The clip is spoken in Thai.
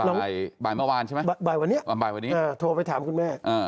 บ่ายบ่ายเมื่อวานใช่ไหมบ่ายวันนี้บ่ายวันนี้โทรไปถามคุณแม่